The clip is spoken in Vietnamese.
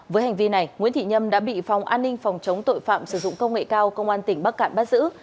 với hành vi này nguyễn thị nhâm đã bị phòng an ninh phòng chống tội phạm sử dụng công nghệ cao công an tỉnh bắc cạn bắt giữ